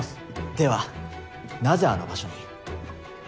ではなぜあの場所に？